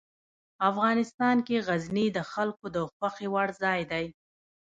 افغانستان کې غزني د خلکو د خوښې وړ ځای دی.